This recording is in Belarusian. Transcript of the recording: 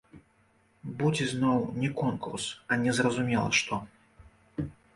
Будзе зноў не конкурс, а незразумела што!